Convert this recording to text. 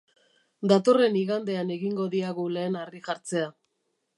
Datorren igandean egingo diagu lehen harri-jartzea.